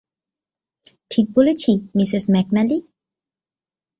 ঠিক বলেছি, Mrs McNally?